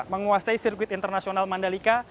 menguasai sirkuit internasional mandalika